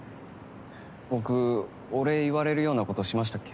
僕お礼言われるようなことしましたっけ？